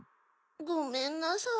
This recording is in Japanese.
ごめんなさい。